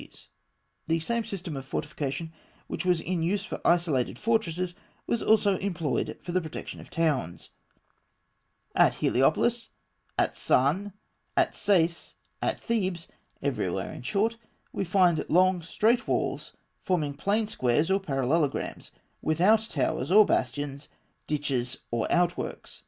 [Illustration: Fig. 32. Plan of the walled city at El Kab.] The same system of fortification which was in use for isolated fortresses was also employed for the protection of towns. At Heliopollis, at Sãn, at Sais, at Thebes, everywhere in short, we find long straight walls forming plain squares or parallelograms, without towers or bastions, ditches or outworks.